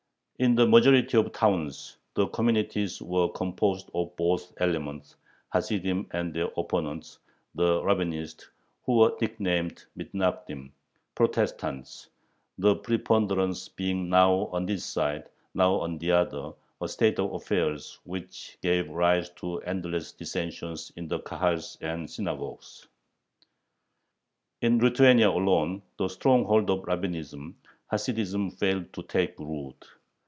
In the majority of towns the communities were composed of both elements, Hasidim and their opponents, the Rabbinists, who were nicknamed Mithnagdim ("Protestants"), the preponderance being now on this side, now on the other, a state of affairs which gave rise to endless dissensions in the Kahals and synagogues. In Lithuania alone, the stronghold of Rabbinism, Hasidism failed to take root.